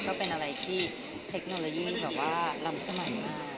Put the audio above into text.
ก็เป็นอะไรที่เทคโนโลยีแบบว่าล้ำสมัยมาก